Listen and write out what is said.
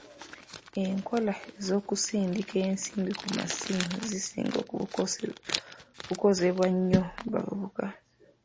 Enkola z'okusindika ensimbi ku masimu zisinga kukosebwa nnyo bavubuka.